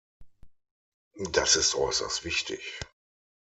Das ist äußerst wichtig.